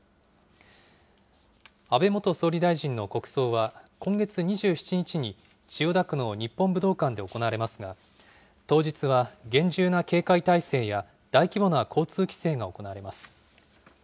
安倍元総理大臣の国葬は、今月２７日に千代田区の日本武道館で行われますが、当日は、厳重な警戒体制や大規模な交通規制が行われます。